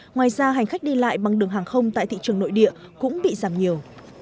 ngoài ra hành khách đi lại bằng đường hàng không tại thị trường nội địa cũng bị giảm nhiều